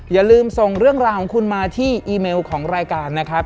อย่าลืมส่งเรื่องราวของคุณมาที่อีเมลของรายการนะครับ